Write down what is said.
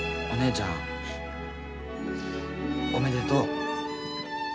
お姉ちゃんおめでとう。